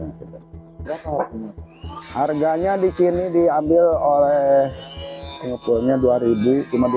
hai kakak mebakaran tlw energetic mem tangan ténong itu apa eh batu para pemenuhan bahan baku untuk